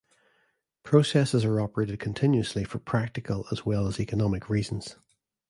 Processes are operated continuously for practical as well as economic reasons.